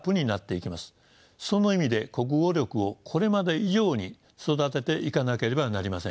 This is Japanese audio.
その意味で国語力をこれまで以上に育てていかなければなりません。